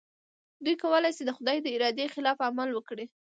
دوی کولای شي د خدای د ارادې خلاف عمل وکړي.